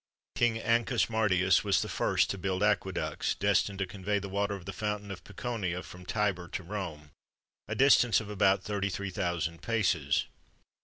King Ancus Martius[XXV 12] was the first[XXV 13] to build aqueducts, destined to convey the water of the fountain of Piconia from Tibur to Rome, a distance of about thirty three thousand paces.